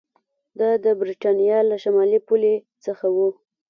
دا د برېټانیا له شمالي پولې څخه و